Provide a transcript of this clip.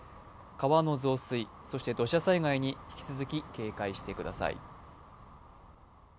川の増水、そして土砂災害に引き続き警戒してください。